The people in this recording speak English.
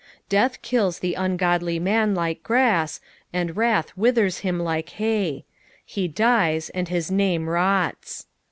Death kills the ungodly man like grass, and wrath withers him like hay ; he dies^ and his FSAXU THE IHIBTT SE7EKTH.